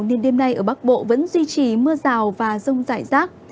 nên đêm nay ở bắc bộ vẫn duy trì mưa rào và rông rải rác